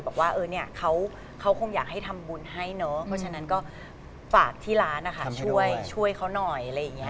บอกว่าเขาคงอยากให้ทำบุญให้เนอะเพราะฉะนั้นก็ฝากที่ร้านนะคะช่วยเขาหน่อย